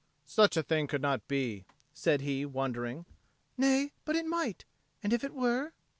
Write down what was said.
"Such a thing could not be," said he, wondering. "Nay, but it might. And if it were?"